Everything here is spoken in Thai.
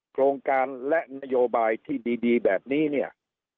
โครงการและนโยบายที่ดีแบบนี้เนี่ย